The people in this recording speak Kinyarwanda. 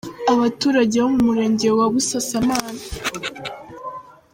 Abaturage bo mu Murenge wa Busasamana.